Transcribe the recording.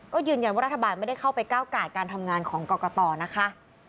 ก็ยืนยันว่ารัฐบาลไม่ได้เข้าไปก้าวไก่การทำงานของกรกตนะคะ